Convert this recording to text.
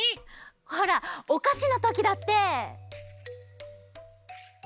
ほらおかしのときだって！